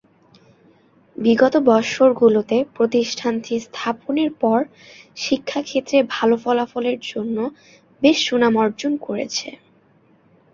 বিগত বৎসর গুলোতে প্রতিষ্ঠানটি স্থাপনের পর শিক্ষা ক্ষেত্রে ভাল ফলাফলের জন্য বেশ সুনাম অর্জন করেছে।